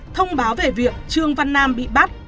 thông báo về việc trương văn nam bị bắt